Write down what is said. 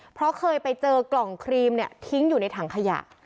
เพราะเคยไปเจอกล่องครีมเนี่ยทิ้งอยู่ในถังขยะ